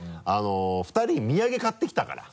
２人に土産買ってきたから。